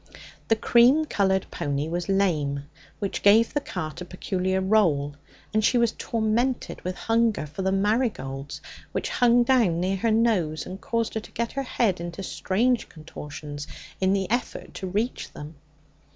The cream coloured pony was lame, which gave the cart a peculiar roll, and she was tormented with hunger for the marigolds, which hung down near her nose and caused her to get her head into strange contortions in the effort to reach them.